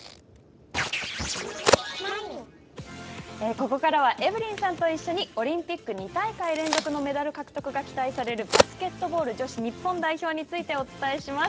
ここからは、エブリンさんと一緒にオリンピック２大会連続のメダル獲得が期待されるバスケットボール女子日本代表についてお伝えします。